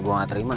gue gak terima